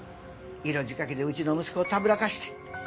色仕掛けでうちの息子をたぶらかして。